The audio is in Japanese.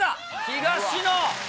東野。